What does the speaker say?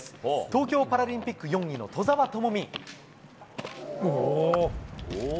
東京パラリンピック４位の兎澤朋美。